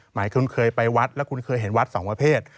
หมายคุณเคยไปวัดแล้วคุณเคยเห็นวัดสองประเภท